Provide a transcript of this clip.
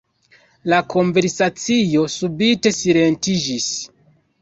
La konversacio subite silentiĝis.